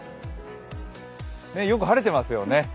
よく晴れていますよね。